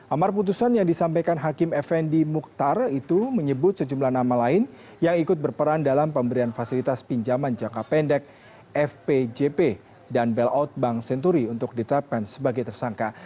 amar putusan yang disampaikan hakim effendi mukhtar itu menyebut sejumlah nama lain yang ikut berperan dalam pemberian fasilitas pinjaman jangka pendek fpjp dan bailout bank senturi untuk ditetapkan sebagai tersangka